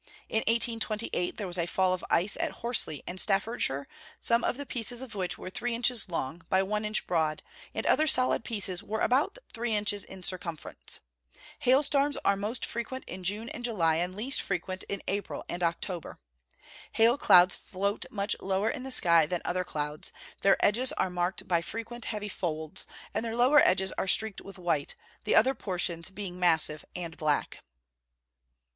In 1828 there was a fall of ice at Horsley, in Staffordshire, some of the pieces of which were three inches long, by one inch broad; and other solid pieces were about three inches in circumference. Hail storms are most frequent in June and July, and least frequent in April and October. Hail clouds float much lower in the sky than other clouds; their edges are marked by frequent heavy folds; and their lower edges are streaked with white, the other portions being massive and black.